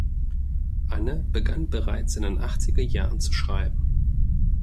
Anne begann bereits in den achtziger Jahren zu schreiben.